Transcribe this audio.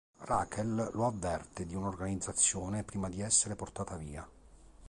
Rachel lo avverte di un'organizzazione prima di essere portata via.